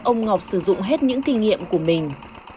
ông ngọc sử dụng hết những kinh nghiệm của mình